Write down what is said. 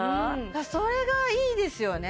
それがいいですよね